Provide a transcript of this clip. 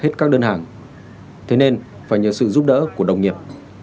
thế nên phải nhờ sự giúp đỡ của đồng nghiệp